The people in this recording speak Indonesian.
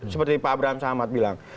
seperti pak abraham samad bilang